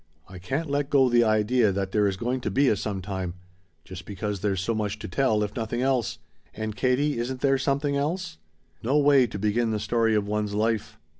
I can't let go the idea that there is going to be a sometime. Just because there's so much to tell, if nothing else. And, Katie, isn't there something else? "No way to begin the story of one's life!